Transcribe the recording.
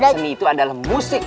seni itu adalah musik